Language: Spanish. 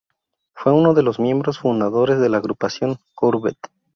Fue uno de los miembros fundadores de la Agrupación Courbet.